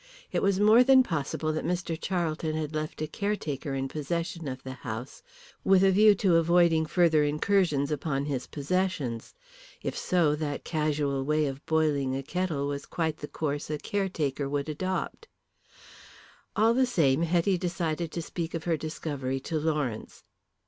It was more than possible that Mr. Charlton had left a caretaker in possession of the house with a view to avoiding further incursions upon his possessions. If so, that casual way of boiling a kettle was quite the course a caretaker would adopt. All the same, Hetty decided to speak of her discovery to Lawrence.